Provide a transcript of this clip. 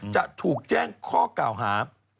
จะถูกแจ้งข้อกล่าวหา